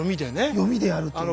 読みでやるという。